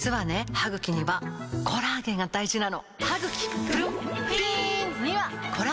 歯ぐきにはコラーゲンが大事なの！